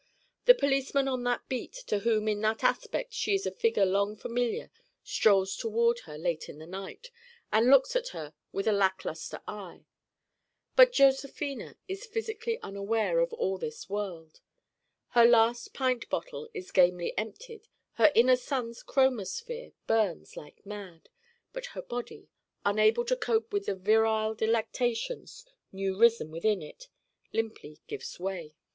The policeman on that beat to whom in that aspect she is a figure long familiar strolls toward her late in the night and looks at her with a lackluster eye. But Josephina is physically unaware of all this world. Her last pint bottle is gamely emptied, her inner sun's chromosphere burns like mad but her body, unable to cope with the virile delectations new risen within it, limply gives way.